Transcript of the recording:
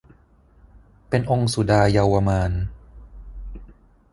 เป็นองค์สุดาเยาวมาลย์